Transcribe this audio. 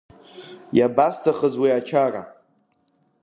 Иабасҭахыз уи ачара?